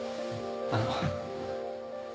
あの。